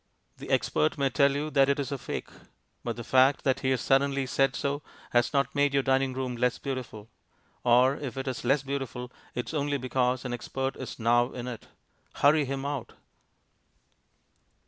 The expert may tell you that it is a fake, but the fact that he has suddenly said so has not made your dining room less beautiful. Or if it is less beautiful, it is only because an "expert" is now in it. Hurry him out.